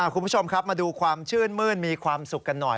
คุณผู้ชมครับมาดูความชื่นมื้นมีความสุขกันหน่อย